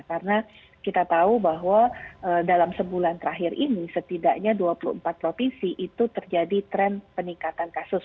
karena kita tahu bahwa dalam sebulan terakhir ini setidaknya dua puluh empat provinsi itu terjadi tren peningkatan kasus